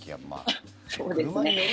そうですね。